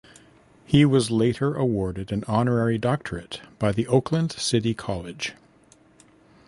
He was later awarded an honorary doctorate by Oakland City College.